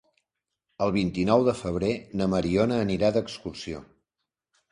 El vint-i-nou de febrer na Mariona anirà d'excursió.